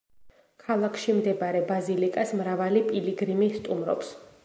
ქალაქში მდებარე ბაზილიკას მრავალი პილიგრიმი სტუმრობს.